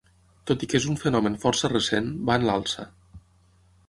Tot i que és un fenomen força recent, va en l’alça.